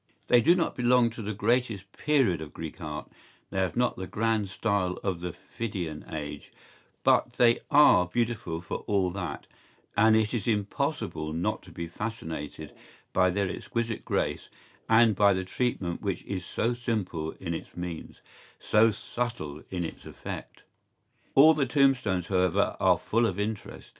¬Ý They do not belong to the greatest period of Greek art, they have not the grand style of the Phidian age, but they are beautiful for all that, and it is impossible not to be fascinated by their exquisite grace and by the treatment which is so simple in its means, so subtle in its effect.¬Ý All the tombstones, however, are full of interest.